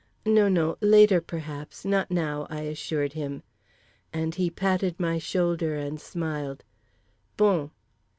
"No, no. Later, perhaps; not now," I assured him. And he patted my shoulder and smiled, "_Bon!